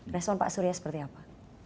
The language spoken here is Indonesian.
respon pak surya seperti apa